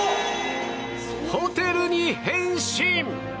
ホテルに変身！